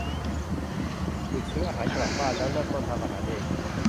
หยุดซื้ออาหารกลับบ้านแล้วเริ่มต้นทำอาหารเอง